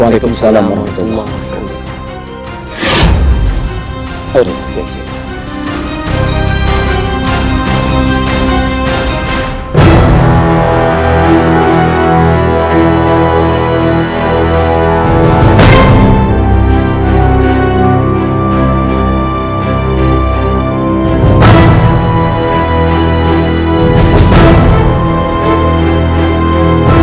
waalaikumsalam warahmatullahi wabarakatuh